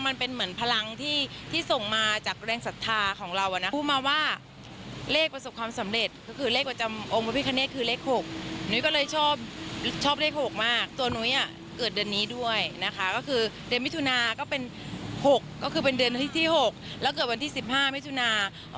เช่นที่๖แล้วเกิดวันที่๑๕ไม่ชุนา